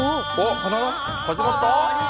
始まった？